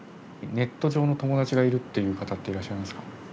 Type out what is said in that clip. ネット上の友達がいるっていう方っていらっしゃいますか？